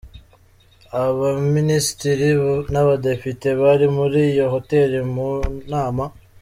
Abaminisitiri n’abadepite bari muri iyo hoteli mu nama.